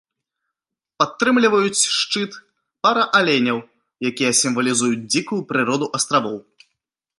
Падтрымліваюць шчыт пара аленяў, якія сімвалізуюць дзікую прыроду астравоў.